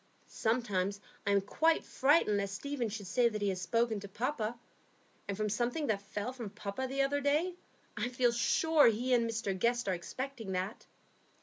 Sometimes I am quite frightened lest Stephen should say that he has spoken to papa; and from something that fell from papa the other day, I feel sure he and Mr Guest are expecting that.